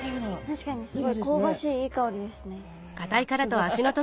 確かにすごい香ばしいいい香りですね。